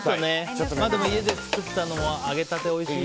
でも、家で作ったのは揚げたて、おいしい。